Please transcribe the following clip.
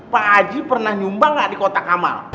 pak haji pernah nyumbang enggak di kota kamal